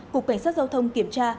cục cảnh sát giao thông kiểm tra